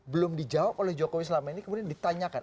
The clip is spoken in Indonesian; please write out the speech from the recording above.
belum dijawab oleh jokowi selama ini kemudian ditanyakan